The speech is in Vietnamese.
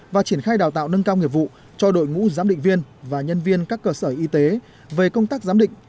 và triển khai đào tạo nâng cao nghiệp vụ cho đội ngũ giám định viên và nhân viên các cơ sở y tế về công tác giám định